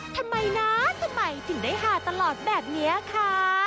ทำไมนะทำไมถึงได้หาตลอดแบบนี้ค่ะ